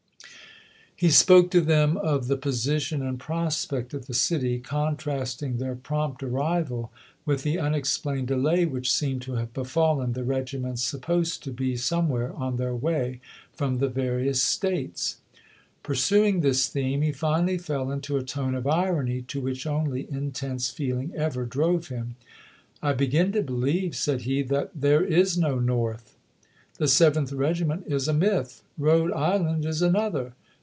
He spoke to them of the position and prospect of the city, contrasting their prompt arrival with the unexplained delay which seemed to have befallen the regiments sup posed to be somewhere on their way from the vari ous States. Pursuing this theme, he finally fell into a tone of irony to which only intense feeling ever drove him. " I begin to believe," said he, " that there is no North. The Seventh regiment is a myth. Rhode Island is another.